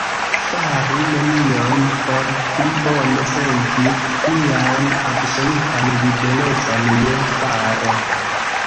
Fari nenion, por pli bone senti mian absolutan liberecon je faro.